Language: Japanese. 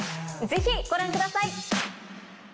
ぜひご覧ください！